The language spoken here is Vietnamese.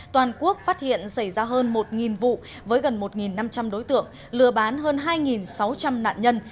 toàn quốc phát hiện xảy ra hơn một vụ với gần một năm trăm linh đối tượng lừa bán hơn hai sáu trăm linh nạn nhân